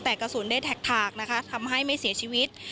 แต่กระสุนได้แท็กทำให้ไม่เสียชีวิต